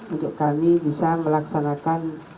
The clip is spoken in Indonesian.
untuk kami bisa melaksanakan